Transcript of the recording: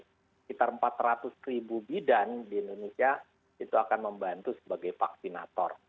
sekitar empat ratus ribu bidan di indonesia itu akan membantu sebagai vaksinator